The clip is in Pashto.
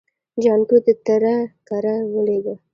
جانکو د تره کره ولېږه.